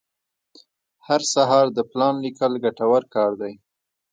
هر سهار د پلان لیکل ګټور کار دی.